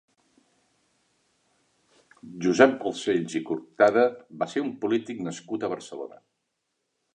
Josep Balcells i Cortada va ser un polític nascut a Barcelona.